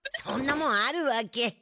そんなもんあるわけ。